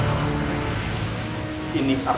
aku sudah berusaha untuk menghentikanmu